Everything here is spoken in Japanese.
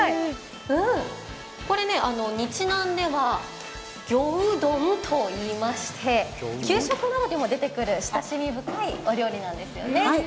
これ、日南では魚うどんと言いまして、給食などでも出てくる親しみ深いお料理なんですよね。